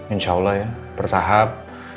insya allah ya bertahap